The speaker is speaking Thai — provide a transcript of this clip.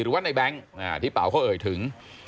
หรือว่าในแบงค์ที่เป๋าเขาเอ่ยถึง